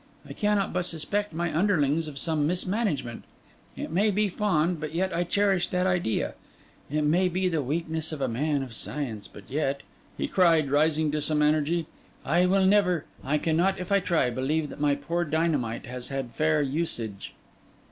I cannot but suspect my underlings of some mismanagement; it may be fond, but yet I cherish that idea: it may be the weakness of a man of science, but yet,' he cried, rising into some energy, 'I will never, I cannot if I try, believe that my poor dynamite has had fair usage!